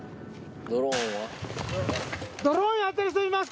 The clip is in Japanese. ドローンは？